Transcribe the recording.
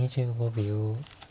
２５秒。